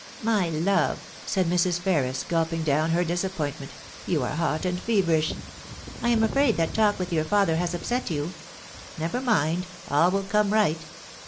* My love,' said Mrs. Ferris, gulping down her disappoint ment, * you are hot and feverish. I am afraid that talk with your father has upset you. Never mind — all will come right.